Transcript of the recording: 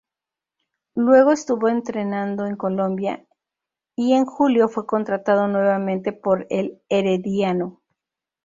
Luego estuvo entrenando en Colombia y en julio fue contratado nuevamente por el Herediano.